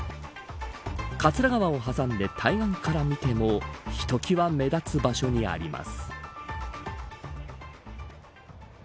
桂川を挟んで対岸から見てもひときわ目立つ場所にあります。